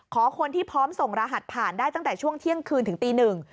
คนที่พร้อมส่งรหัสผ่านได้ตั้งแต่ช่วงเที่ยงคืนถึงตีหนึ่ง